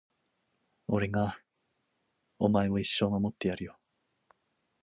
俺がお前を一生守ってやるよ